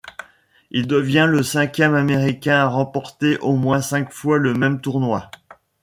Il devient le cinquième américain à remporter au moins cinq fois le même tournoi.